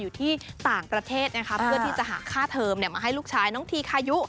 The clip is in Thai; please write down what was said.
อยู่ที่ต่างประเทศนะคะเพื่อที่จะหาค่าเทอมมาให้ลูกชายน้องทีคายุ